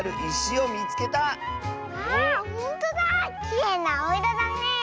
きれいなあおいろだねえ。